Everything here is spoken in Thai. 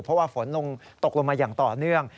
เพราะว่าฝนตกลงมาอย่างต่อเนื่อง